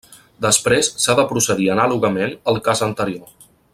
Després s'ha de procedir anàlogament al cas anterior.